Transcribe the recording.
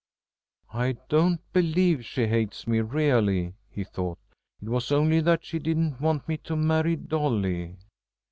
"I don't believe she hates me really," he thought. "It was only that she didn't want me to marry Dolly."